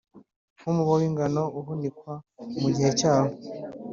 nk’umuba w’ingano uhunikwa mu gihe cyawo